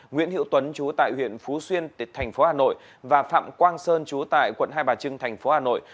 nguyễn hiệu tuấn chú tại huyện phú xuyên tp hà nội và phạm quang sơn chú tại quận hai bà trưng tp hà nội